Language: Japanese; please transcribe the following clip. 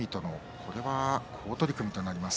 これは好取組となります。